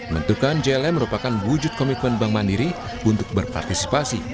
bentukan jlm merupakan wujud komitmen bank mandiri untuk berpartisipasi